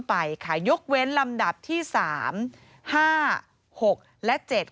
ไปค่ะยกเว้นลำดับที่สามห้าหกและเจ็ด